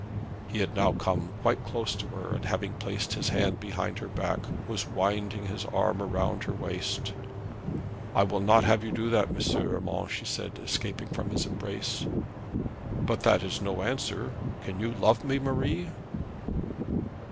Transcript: He had now come quite close to her, and having placed his hand behind her back, was winding his arm round her waist. 'I will not have you do that, M. Urmand,' she said, escaping from his embrace. 'But that is no answer. Can you love me, Marie?'